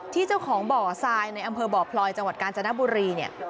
ที่เจ้าของบ่อทรายในอำเภอบ่อพลอยจังหวัดกาญจนบุรีเนี่ย